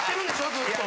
ずっと。